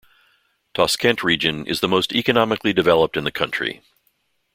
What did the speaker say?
Toshkent Region is the most economically developed in the country.